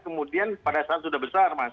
kemudian pada saat sudah besar mas